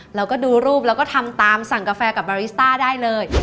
แล้วก็ดูรูปแล้วก็ทำตามสั่งกาแฟกับบาริสต้าได้เลย